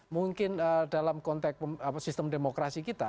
mungkin dalam konteks sistem demokrasi kita